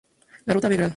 La Ruta V “Gral.